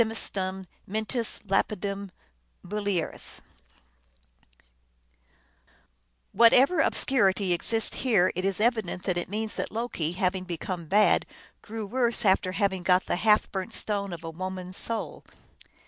251 semiustum mentis lapidem mulieris" Whatever ob scurity exists here, it is evident that it means that Loki, having become bad, grew worse after having got the half burnt stone of a woman s soul.